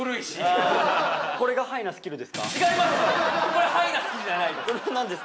これハイなスキルじゃないです